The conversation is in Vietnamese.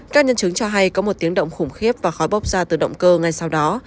các nhân chứng cho hay có một tiếng động khủng khiếp và khói bốc ra từ động cơ ngay sau đó